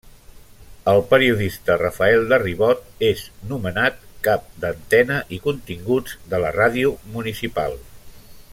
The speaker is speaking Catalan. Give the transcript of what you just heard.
El periodista Rafael de Ribot és nomenat cap d’Antena i Continguts de la ràdio municipal.